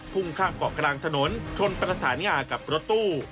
่งข้างเกาะกลางถนนชนประสานงากับรถตู้